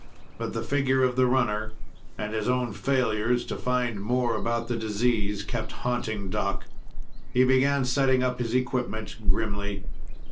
But the figure of the runner and his own failures to find more about the disease kept haunting Doc. He began setting up his equipment grimly.